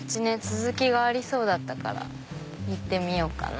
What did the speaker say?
続きがありそうだったから行ってみようかな。